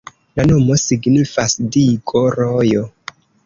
La nomo signifas digo-rojo.